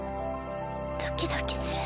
ドキドキする。